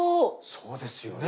そうですよね。